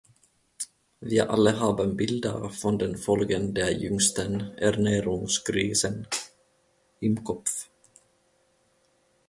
Wir alle haben Bilder von den Folgen der jüngsten Ernährungskrisen im Kopf.